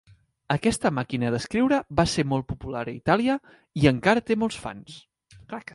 Aquesta màquina d'escriure va ser molt popular a Itàlia i encara té molts fans.